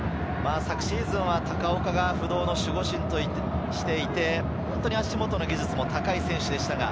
昨シーズンは高丘が不動の守護神としていて、足元の技術も高い選手でした。